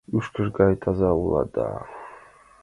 Ӱшкыж гай таза улат да...